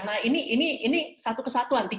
nah ini satu kesatuan